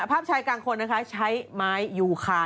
ภาพชายกลางคนนะคะใช้ไม้ยูคา